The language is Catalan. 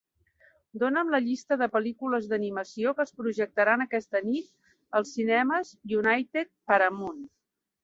Dona'm la llista de pel·lícules d'animació que es projectaran aquesta nit als cinemes United Paramount.